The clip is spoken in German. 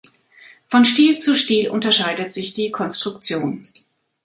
Von Stil zu Stil unterscheidet sich die Konstruktion.